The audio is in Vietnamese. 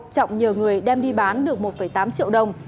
trọng nhờ người đem đi bán được một tám triệu đồng